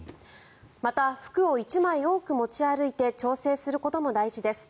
また、服を１枚多く持ち歩いて調整することも大事です。